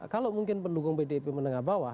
kalau mungkin pendukung pdip menengah bawah